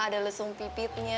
ada lesung pipinya